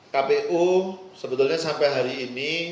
kpu sebetulnya sampai hari ini